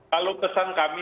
kalau pesan kami